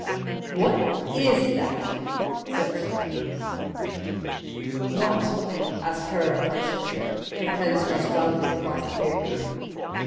"What IS that?" said she. "What?" asked Caroline harshly; her pen scratched loudly across the paper.